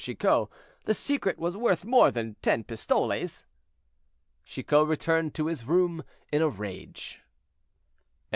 Chicot, the secret was worth more than ten pistoles." Chicot returned to his room in a rage. CHAPTER LII.